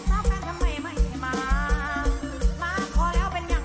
ยังงานน้อยต่อยเจ็บหน่อยพักเมื่อนี้น่ะ